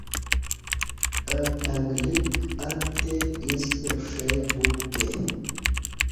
اہ ٹنگلیک اتتے اییستہ پݜئ وُپتے